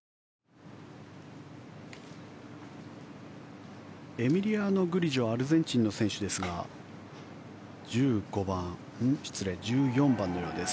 あふっエミリアノ・グリジョアルゼンチンの選手ですが１４番のようです。